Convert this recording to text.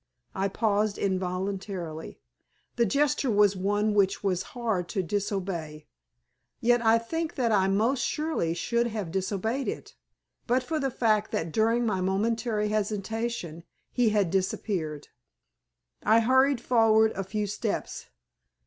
I paused involuntarily. The gesture was one which it was hard to disobey. Yet I think that I most surely should have disobeyed it, but for the fact that during my momentary hesitation he had disappeared. I hurried forward a few steps.